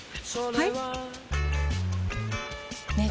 はい！